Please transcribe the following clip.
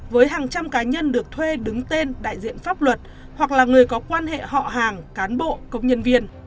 với hàng trăm cá nhân được thuê đứng tên đại diện pháp luật hoặc là người có quan hệ họ hàng cán bộ công nhân viên